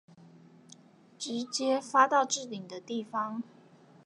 直接發到置頂的地方